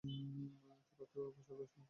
এত রাতেও চোখে-মুখে স্নিগ্ধ আভা।